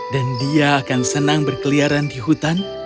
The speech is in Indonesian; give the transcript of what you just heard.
dan dia akan senang berkeliaran di hutan